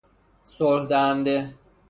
صلح دهنده